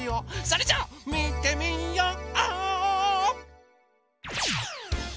それじゃあみてみよう！